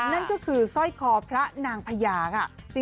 นั่นก็คือสร้อยคอพระนางพญาค่ะ